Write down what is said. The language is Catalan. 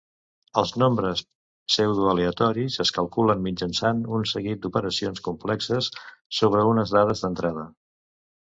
Els nombres pseudoaleatoris es calculen mitjançant un seguit d'operacions complexes sobre unes dades d'entrada.